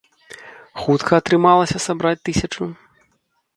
Хутка атрымалася сабраць тысячу?